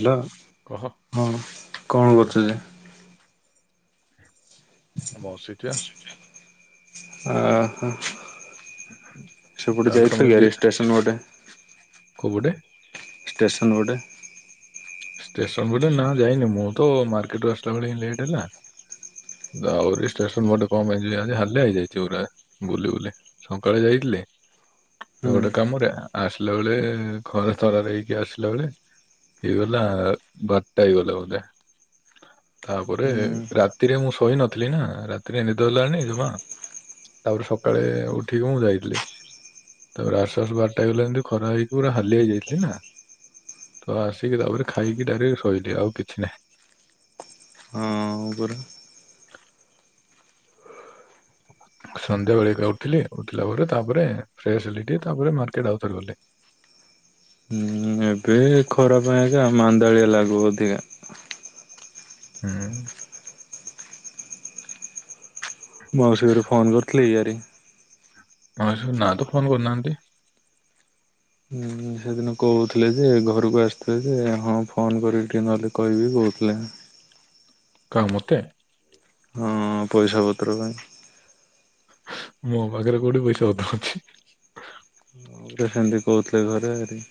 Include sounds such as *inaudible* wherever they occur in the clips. Hello. କହ। ହଁ, କଣ କରୁଚ ଯେ? ବସିଚି ଆ। ଓହୋ, ସେପଟେ ତାହେଲେ ତମେ ଦି- ଯାଇଥିଲେ *unintelligible* ନୋଟେ। କୋଉ ପଟେ? ଷ୍ଟେସନ୍ ପଟେ। ଷ୍ଟେସନ୍ ପଟେ ନା ଯାଇନି, ମୁଁ ତ ମାର୍କେଟରୁ ଆସିଲା ବେଳେ ହିଁ ଲେଟ୍ ହେଲା। ଆହୁରି ଷ୍ଟେସନ୍ ପଟେ କଣ ପାଇଁ ଯିବି, ଆଜି ହାଲିଆ ହେଇ ଯାଇଚି ପୁରା ବୁଲି-ବୁଲି। ସକାଳେ ଯାଇଥିଲେ? ତ ହୁଁ ଗୋଟେ କାମରେ ଆସିଲା ବେଳେ ଖରାତରା ରେ ହେଇକି ଆସିଲା ବେଳେ ହେଇଗଲା ବାରଟା ହେଇଗଲା ବୋଧେ। ତାପରେ ରା ହୁଁ ରାତିରେ ମୁଁ ଶୋଇ ନଥିଲି ନା, ରାତିରେ ନିଦ ହେଲାନି ଜମା। ତାପରେ ସକାଳେ ଉଠିକି ମୁଁ ଯାଇଥିଲି। ତାପରେ ଆସୁ ଆସୁ ବାରଟା ହେଇଗଲା ଯେମତି ଖରା ହେଇକି ପୁରା ହାଲିଆ ହେଇଯାଇଥିଲି ନା। ତ ଆସିକି ତାପରେ ଖାଇକି ଡାଇରେକ୍ଟ ଶୋଇଲି ଆଉ କିଛି ନାହିଁ। ହଁ ପରା। ସନ୍ଧ୍ୟା ବେଳେକେ ଉଠିଲି, ଉଠିଲା ପରେ ତାପରେ ଫ୍ରେଶ ହେଲି ଟିକେ ତାପରେ ମାର୍କେଟ ଆଉଥରେ ଗଲି। ଉଁ ଏବେ ଖରା ପାଇଁ ଙ୍କା ମାନ୍ଦାଳିଆ ଲାଗୁ ଅଧିକା। *unintelligible* ମାଉସୀ ଘରେ ଫୋନ୍ କରିଥିଲି ଇଆରି ମାଉସୀ ଘରେ ନାଁ ତ ଫୋନ୍ କରିନାଆନ୍ତି। ହୁଁ ସେଦିନ କଉଥିଲେ ଯେ ଘରକୁ ଆସିଥିଲେ ଯେ ହଁ ଫୋନ୍ କରିକି ଟିକିଏ ନହେଲେ କହିବି କହୁଥିଲେ। କାହାକୁ ମତେ? ହଁ ପଇସା ପତ୍ର ପାଇଁ। ମୋ ପାଖରେ କୋଉଠି ପଇସା ପତ୍ର ଅଛି। ମତେ ସେମିତି କହୁଥିଲେ ଘରେ ଆରି।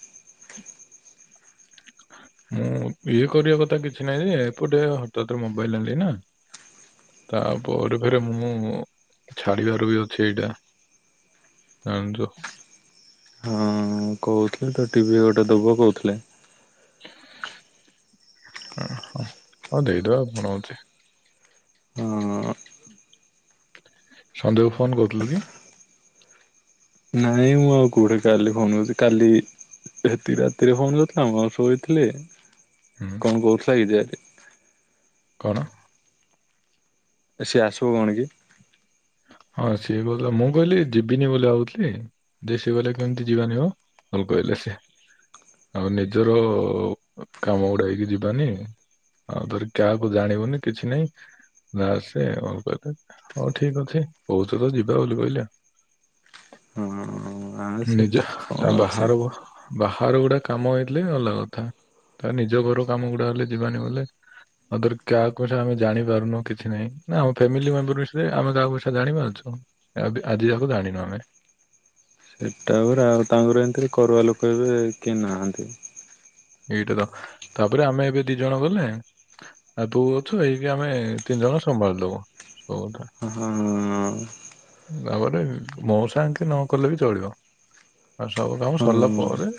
ମୁଁ ବିଏ କରିବା କଥା କିଛି ନାହିଁ ଯେ ଏପଟେ ହଠାତ୍ ମୋବାଇଲ ଆଣିଲି ନା। ତାପରେ ଫେରେ ମୁଁ ଛାଡିବାର ବି ଅଛି ଏଇଟା। *unintelligible* ମୁଁ କଉଥିଲି ତ ଟିଭି ଗୋଟେ ଦବ କହୁଥିଲେ। ଓ ହଁ। ହଉ ଦେଇଦବା କଣ ହଉଚି। ହଁ ସଞ୍ଜୟକୁ ଫୋନ୍ କରିଥିଲୁ କି? ନାଇଁ ମୁଁ ମୁଁ ଆଉ କୋଉଠି କାଲି ଫୋନ୍ କରିଚି କାଲି ସେ ହେତିକି ରାତିରେ ଫୋନ୍ କରିଥିଲା। ମୁଁ ଆଉ ଶୋଇଥିଲି, ହୁଁ କଣ କହୁଥିଲା କି ଯେ କଣ? ସିଏ ଆସିବ କଣ କି ହଁ ସିଏ କହୁଥିଲା ମୁଁ କହିଲି ଯିବିନି ବୋଲି ଭାବୁଥିଲି ଦେ ସିଏ କହିଲେ କେମିତି ଯିବାନି ମ। ପୁଣି କହିଲେ ସେ। ଆଉ ନିଜର କାମ *unintelligible* ହେଇକି ଯିବାନି। ଆଉ ଥରେ କାହାକୁ ଜାଣିବୁନି କିଛି ନାଇଁ ନା ସେ ଆଉ ତତେ, ହଉ ଠିକ୍ ଅଛି। କହୁଥିଲ ଯିବା ବୋଲି କହିଲା। ହଁ ଆସେ ନିଜେ କଣ ତା ଅଛି ବାହାଘର କୁ ବାହାର ଗୁଡ଼ା କାମ ହେଇଥିଲେ ଅଲଗା କଥା, ତା ନିଜ ଘର କାମ ଗୁଡ଼ା ହେଲେ ଯିବାନି ବଲେ ଆଉ ତାହାଲେ କାହାକୁ କହିଲା ଆମେଜାଣି ପାରୁନୁ କିଛି ନାହିଁ। ନା ଆମ ଫାମିଲି ମେମ୍ବର ବିଷୟରେ ଆମେ କାହାକୁ କିଛି ଜାଣିପାରୁଚୁ, ଆଜି ଯାକେ ଜାଣିନୁ ଆମେ। ହେଟା ପରା ଆଉ ତାଙ୍କ ଘରେ ଏମତିରେ କରୁଆ ଲୋକ ଏବେ କେହି ନାହାନ୍ତି। ଏଇଟା ତ, ତାପରେ ଆମେ ଏବେ ଦି ଜଣ ଗଲେ ଆଉ ତୁ ଅଛୁ ଏଇକେ ଆମେ ତିନି ଜଣ ସମ୍ଭାଳିଦବୁ। *unintelligible* ହଁ ହଁ। ତାପରେ ମଉସା ଆଙ୍କେ ନ କଲେ ବି ଚଳିବ। ଆଉ ସବୁ କାମ ସରିଲା ହଁ ପରେ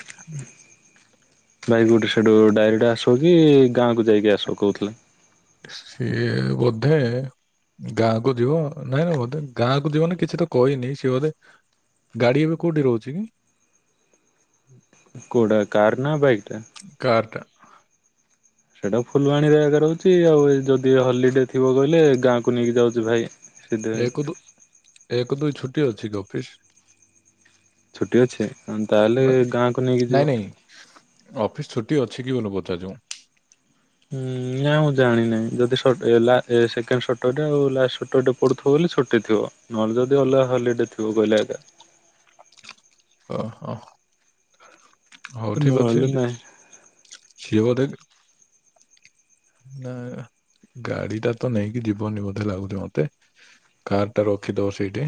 ବାଇକ୍ ରେ ଗୋଟେ ସେଇଠୁ ଡାଇରେକ୍ଟ ଆସିବ କି ଗାଁକୁ ଯାଇକି ଆସିବ କହୁଥିଲା? ସିଏ ବୋଧେ ଗାଁ କୁ ଯିବ ନାଇଁ ନାଇଁ ବୋଧେ ଗାଁକୁ ଯିବନି କିଛି ତ କହିନି ସିଏ ବୋଧେ ଗାଡି ଏବେ କୋଉଠି ରହୁଛି କି? କୋଉଟା କାର ନା ବାଇକ ଟା? କାରଟା। ସେଇଟା ଫୁଲବାଣୀରେ ଏଗା ରହୁଛି ଆଉ ଏ ଯଦି ହଲିଡେ ଥିବ କହିଲେ ଗାଁକୁ ନେଇକି ଯାଉଛି ଭାଇ। ସିଧୁ ଭାଇ ଏକ ଦୁ ଏକ ଦୁଇ ଛୁଟି ଅଛି କି ଅଫିସ୍? ଛୁଟି ଅଛି ତାହେଲେ ଗାଁକୁ ନେଇକି ଯିବ। ଅଫିସ ଛୁଟି ଅଛି କି ବୋଲି ପଚାରୁଛ? ହୁଁ ନା ମୁଁ ଜାଣିିନାହିଁ ଯଦି ସଟ୍ ହେଲା ସେଖେଣ୍ଡ ସଟର ଡେ ଆଉ ଲାଷ୍ଟ ସଟର ଡେ ପଡୁଥିବ ବୋଲି ଛୁଟି ଥିବ ନହେଲେ ଯଦି ଅଲଗା ହଲିଡେ ଥିବ କହିଲେ ଆଜ୍ଞା। ଓ ହ ହୋଉ ଠିକ ଅଛି ନହେଲେ ନାହିଁ। ସିଏ ବୋଧେ ନା ଗାଡି ଟା ତ ନେଇକି ଯିବନି ବୋଧେ ଲାଗୁଛି ମତେ। କାର୍ ଟା ରଖି ଦବ ସେଇଠି।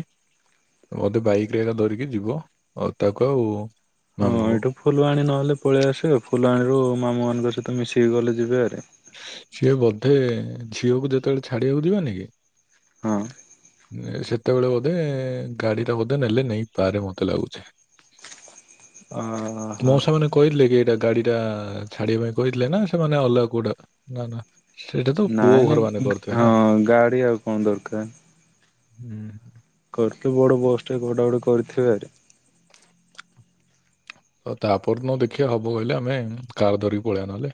ମୋତେ ବାଇକରେ ଏକା ଧରିକି ଯିବ ଆଉ ତାକୁ ଆଉ ହଁ ମାମୁ ଙ୍କୁ। ଏଇଠୁ ଫୁଲବାଣୀ ନହେଲେ ପଳେଇ ଆସିବ ଫୁଲବାଣୀରୁ ମାମୁ ମାନଙ୍କ ସହିତ ମିଶିକି ଗଲେ ଯିବେହାରି। ସିଏ ବୋଧେ ଝିଅକୁ ଯେତେବେଳେ ଛାଡିବାକୁ ଯିବେନି କି ହଁ। ସେତେବେଳେ ବୋଧେ ଗାଡି ଟା ବୋଧେ ନେଲେ ନେଇପାରେ ମତେ ଲାଗୁଛି। ଅହଁ। ମଉସା ମାନେ କହିଥିଲେ କି ଏଇଟା ଗାଡି ଟା ଛାଡିବା ପାଇଁ କହିଥିଲେ ନା ସେମାନେ ଅଲଗା କୋଉଟା ନା ନା ସେଇଟା ତ ପୁଅ ନାଇଁ ନା ଘର ମାନେ କରିଥିବେ ହଁ ନା ଗାଡି ଆଉ କଣ ଦରକାର। ହୁଁ। କରିଥିଲୁ ବଡ ବସ୍‌ ଟେ କୋଉଟା ଗୋଟେ କରିଥିବେ ଆରେ ଓ ତାପର ଦିନ ଦେଖିବା ହବ କହିଲେ ଆମେ କାର ଧରିକି ପଳେଇବା ନହେଲେ।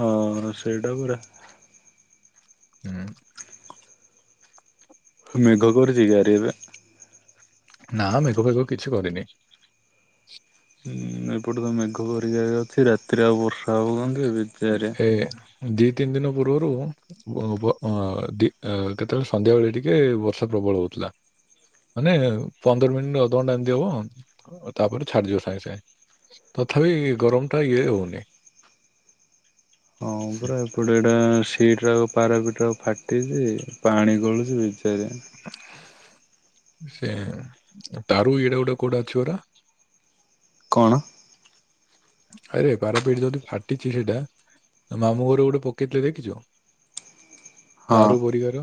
ହଁ ସେଇଟା ପରା। ହୁଁ। ମେଘ କରିଛି ଗାଁ ରେ ଏବେ? ନା ମେଘ ଫେଘ କିଛି କରିନି। ଉଁ ଏପଟେ ତ ମେଘ ଭରିକି ଅଛି ରାତିରେ ଆଉ ବର୍ଷା ହଉନ୍ତି ବି ଏଥେ ଦି ତିନି ଦିନ ପୂର୍ବରୁ ବ ବ ଆଁ ଦି ଇଁ କେତେ କେତେବେଳେ ସନ୍ଧ୍ୟା ବେଳେ ଟିକେ ବର୍ଷା ପ୍ରବଳ ହଉଥିଲା। ମାନେ ପନ୍ଦର ମିନିଟ ଅଧଘଣ୍ଟା ଏମିତି ହବ ତାପରେ ଛାଡିଯିବ ସାଙ୍ଗେ ସାଙ୍ଗେ। ତଥାପି ଗରମ ଟା ଇଏ ହଉନି। ହଁ ପରା ଏପଟେ ଏଟା ସ୍ ଦିଟାଙ୍କ ପାରାପିଟା ଫାଟିଛି ପାଣି ଗଳୁଛି ଭିତରେ ସେ ତାରୁ ଏଇଟା ଗୋଟେ କୋଉଟା ଅଛିପରା। କଣ? ଆରେ ପାରାପିଟି ଯଦି ଫାଟିଛି ସେଇଟା ମାମୁଁ ଘରୁ ଗୋଟେ ପକେଇଥିଲେ ଦେଖିଛ? ହଁ ତାରୁ କରିବାର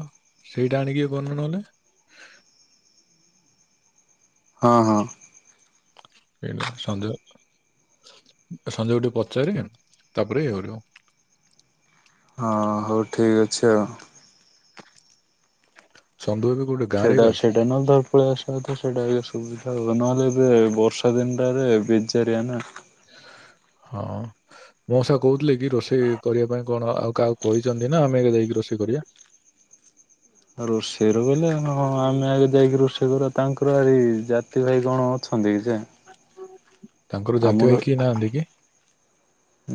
ସେଇଟା ଆଣିକି ଇଏ କରୁନ ନହେଲେ। ହଁ ହଁ। ଏଟା ସଞ୍ଜୟ ସଞ୍ଜୟକୁ ଟିକେ ପଚାରେ ତାପରେ ଇଏ କରିବ। ହଁ ହଉ ଠିକ୍ ଅଛି ଆଉ। ଛନ୍ଦୁ ଏବେ ଗୋଟେ ଗାଁରେ ସେଇଟା ଏକା ଅଛି ସେଇଟା ନୁହଁତ ଆଉ। ପଳେଇ ଆସିବା କଥା ସେଇଟା ସୁବିଧା ହବ ନହେଲେ ଏବେ ବର୍ଷା ଦିନଟାରେ ବେଜାରିଆ ନା। ହଁ। ମୋଉସା କହୁଥିଲେ କି ରୋଷେଇ କରିବା ପାଇଁ କଣ ଆଉ କାହାକୁ କହିଛନ୍ତି ନା ଆମେ ଏକା ଯାଇକି ରୋଷେଇ କରିବା? ରୋଷେଇ ର ବେଲେ ହଁ ଆମେ ଆଗେ ଯାଇକି ରୋଷେଇ କରିବା ତାଙ୍କର ଆଜି ଯା ଜାତି ଭାଇ କଣ ଅଛନ୍ତି କି ସେ। ତାଙ୍କର ଜାତି ଭାଇ ଆମର କିଏ ନାହାନ୍ତି କି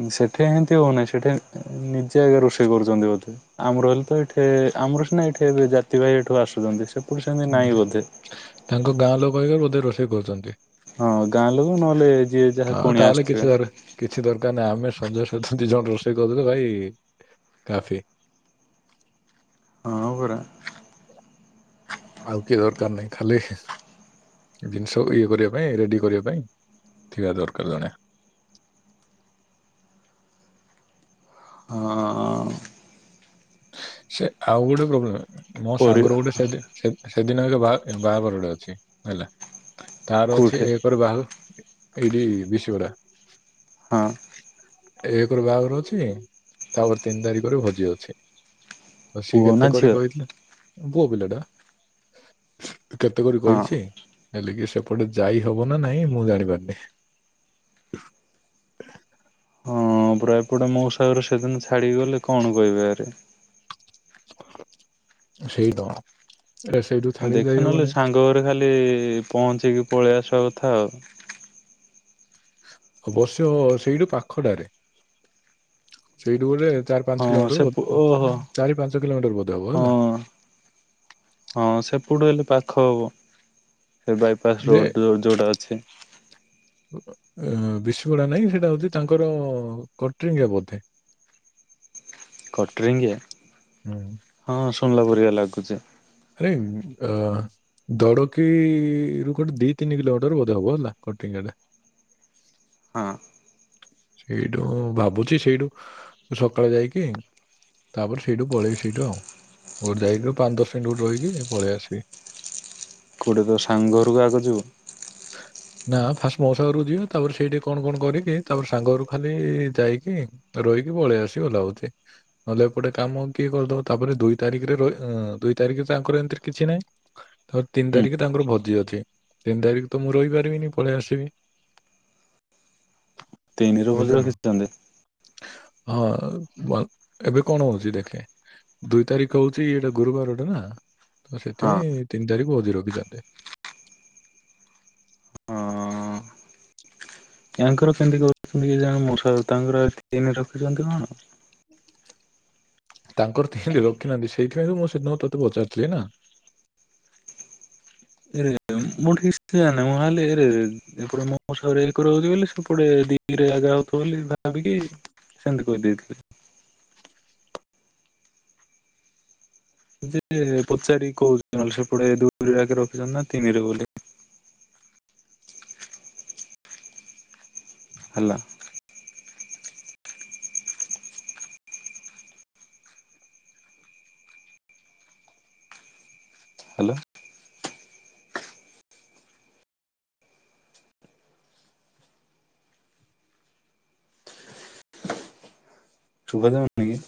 ଉଁ ସେଠି ଏମିତି ହଉ ନାଇଁ ସେଠି ନିଜେ ରୋଷେଇ କରୁଛନ୍ତି ବୋଧେ? ଆମର ହେଲେତ ଏଠି ଆମରସିନା ଏଠି ଜାତି ଭାଇ ଏଠୁ ଆସୁଛନ୍ତି ସେପଟେ ସେମିତି ହୁଁ। ନାଇଁ ବୋଧେ? ତାଙ୍କ ଗାଁ ଲୋକ ହଇକା ବୋଧେ ରୋଷେଇ କରୁଛନ୍ତି। ହଁ ଗାଁ ଲୋକ ନହେଲେ ଯିଏ ଯାହା ହଁ କୁଣିଆ ତାହେଲେ କିଛି ଆସିଥିବେ। ଦର କିଛି ଦରକାର୍ ନାହି ଆମେ ସଂଞ୍ଜ ସୁଧା ଦିଜଣ ରୋଷେଇ କରିଦେଲେ ଭାଇ କାଫି। ହଁ ପରା। ଆଉ କିଏ ଦରକାର୍ ନାଇଁ ଖାଲି ଜିନିଷ ଇଏ କରିବା ପାଇଁ ରେଡି କରିବା ପାଇଁ ଥିବା ଦରକାର୍ ଜଣେ। ହଁ। ସେ ଆଉ ଗୋଟେ ପ୍ରୋବ୍ଲେମେ ମୋ ପରି ସାଙ୍ଗର ଗୋଟେ ସେଠି ସେ ସେଦିନ ଏକା ବା ବାହାଘର ଗୋଟେ ଅଛି ହେଲା ତାର ଅଛି କୋଉଠି ଏ ପରେ ବାହୁ ଏଇଠି ବିଷିଗଢା। ହଁ ଏକରୁ ବାହାଘର ଅଛି ତାପରେ ତିନି ତାରିଖରେ ଭୋଜି ଅଛି। ଆଉ ସିଏ ପୁଅ ନା କେତେ ଝିଅ? କରିପକେଇଥିଲା ଉଁ ପୁଅ ପିଲାଟା। କେତେ କରି ହଁ କହିଛି ହେଲେ କି ସେପଟେ ଯାଇ ହବ ନାଁ ନାଇଁ ମୁଁ ଜାଣି ପାରୁନି। ରାକଡୁ ମଉସା ଘରେସେଦିନ ଛାଡି ଗଲେ କଣ କହିବେ ଆରେ? ସେଇତ। ଏଟା ସେଇଠୁ ଥାଳିକି ଯାଇ ଦେଖେ ନହଲେ ହବନି ସାଙ୍ଗ ଘରେ ଖାଲି ପହଁଞ୍ଚିକି ପଳେଇ ଆସିବା କଥା ଆଉ। ଅବଶ୍ୟ ସେଇଠୁ ପାଖଟାରେ ସେଇଠୁ ଗୋଟେ ଚାର ପାଞ୍ଚ ହଁ ସେ କିଲୋମିଟର ବୋଧେ ଏମିତି ଓହୋ ଆଉ ଚାରି ପାଞ୍ଚ କିଲୋମିଟର ବୋଧେ ହବ ହେଲା। ହଁ। ହଁ ସେପଟୁ ହେଲେ ପାଖ ହବ ସେ ବାଇପାସ୍ ଯେ ରୋଡ଼ ଯୋଉ ଯଉଟା ଅଛି। *unintelligible* ଅ ବିଷିପଢା ନାହିଁ ସେଇଟା ହଉଛି ତାଙ୍କର କଟ୍ରିଙ୍ଗିଆ ବୋଧେ। କଟ୍ରିଙ୍ଗିଆ ହୁଁ। ହଁ ଶୁଣିଲା ପରିକା ଲାଗୁଛି। *unintelligible* ଅ। ଦଡ଼କିରୁୁ କୁଆଡେ ଦି ତିନି କିଲୋମିଟର ବୋଧେ ହବ ହେଲା କଟ୍ରିଙ୍ଗିଆ ଟା। ହଁ। ସେଇଠୁ ଭାବୁଛି ସେଇଠୁ ସକାଳେ ଯାଇକି ତାପରେ ସେଇଠୁ ପଳେଇବି ସେଇଠୁ ଆଉ ଗୋଟେ ଯାଇକିରୁ ପାଞ୍ଚ ଦଶ ମିନିଟ୍ ଗୋଟେ ରହିକି ପଳେଇ ଆସିବି। କୋଉଠି ତ ସାଙ୍ଗ ଘରକୁ ଆଗ ଜିବୁ? ନାଁ ଫାଷ୍ଟ ମଉସା ଘରକୁ ଯିବି ତାପରେ ସେଇଠି କଣ କଣ କରିକି ତାପରେ ସାଙ୍ଗଘରୁ ଖାଲି ଯାଇକି ରହିକି ପଳେଇ ଆସିବି *unintelligible* ନହେଲେ ଏପଟେ କାମ କିଏ କରିଦବ ତାପରେ ଦୁଇ ତାରିଖିରେ ର ଦୁଇ ତାରିଖିରେ ତାଙ୍କର ଏମିତିରେ କିଛି ନାହିଁ। ତର ତିନି ହୁଁ ତାରିଖି ତାଙ୍କର ଭୋଜି ଅଛି ତିନି ତାରିଖି ତ ମୁଁ ରହିପାରିବିନି ପଳେଇ ଆସିବି। ତିନିରୁ ଭୋଜି ବୁଝୁନ ରଖିଛନ୍ତି? ହଁ ୱା ଏବେ କଣ ହଉଛି ଦେଖେ। ଦୁଇ ତାରିଖ ହଉଛି ଏଇଟା ଗୁରୁବାରଟା ନା ତ ହଁ। ସେଥିପାଇଁ ତିନି ତାରିଖ ଭୋଜି ରଖି ଛନ୍ତି। ତାଙ୍କର କେମିତି କରୁଛନ୍ତି ଜଣେ ମଶା ତାଙ୍କର ଏତିନ ରଖିଛନ୍ତି କଣ? ତାଙ୍କର ତିଇନି ରଖିନାହାନ୍ତି ସେଇଥିପାଇଁ ତ ମୁଁ ସେଦିନ ତୋତେ ପଚାରୁଥିଲି ନା? ଏରେ *unintelligible* ଏରେ। ଏପଟେ ମଉଷାରେ ଏକରେ‌ ହଉଛି ବୋଲି ସେପଟେ ଦିରେ ଜାଗା ହଉଥିବ ବୋଲି ଭାବିକି ସେମିତି କହିଦେଇଥିଲେ। ଯେ ପଚାରି କହୁଛି ନହେଲେ ସେପଟେ ଦୁଇ ଆକେ ରଖିଛନ୍ତି ନା ତିନି ରେ ବୋଲି। ହେଲା। ହ୍ୟାଲୋ। ସୁଭାଯାଉ ନି କି?